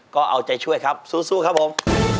ก็เอาใจช่วยครับสู้ครับผม